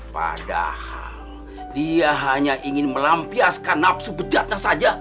padahal dia hanya ingin melampiaskan nafsu pejatnya saja